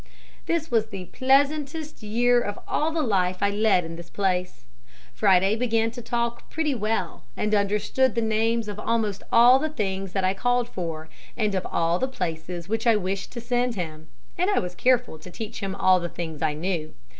"This was the pleasantest year of all the life I led in this place. Friday began to talk pretty well and understood the names of almost all the things that I called for and of all the places which I wished to send him. I was careful to teach him all the things I knew.